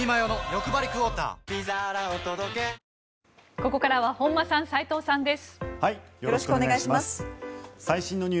ここからは本間さん、斎藤さんです。